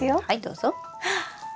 はいどうぞ。